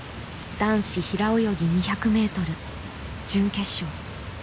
男子平泳ぎ２００ｍ準決勝。